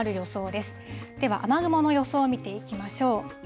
では雨雲の予想を見ていきましょう。